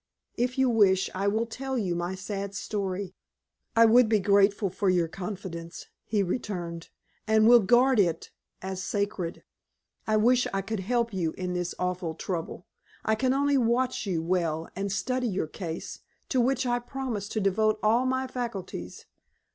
If you wish, I will tell you my sad story." "I would be grateful for your confidence," he returned, "and will guard it as sacred. I wish I could help you in this awful trouble. I can only watch you well and study your case, to which I promise to devote all my faculties.